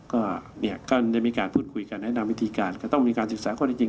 ก็เนี่ยก็ได้มีการพูดคุยกันแนะนำวิธีการก็ต้องมีการศึกษาข้อได้จริง